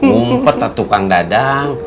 mumpet tatukan dadang